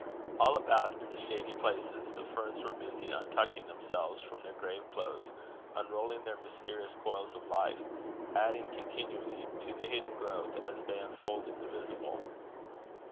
All about in shady places, the ferns were busy untucking themselves from their grave clothes, unrolling their mysterious coils of life, adding continually to the hidden growth as they unfolded the visible.